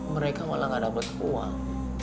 mereka malah gak dapat uang